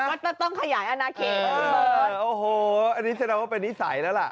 ก็ต้องขยายอนาเขตโอ้โหอันนี้แสดงว่าเป็นนิสัยแล้วล่ะ